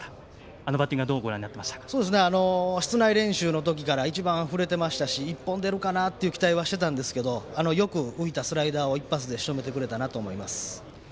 あのバッティングは室内練習のときから一番振れていましたし一本出るかなという期待はしてたんですけどよく浮いたスライダーを一発でしとめてくれたと思います。